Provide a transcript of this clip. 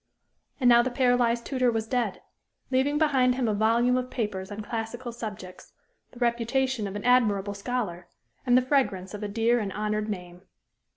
And now the paralyzed tutor was dead, leaving behind him a volume of papers on classical subjects, the reputation of an admirable scholar, and the fragrance of a dear and honored name.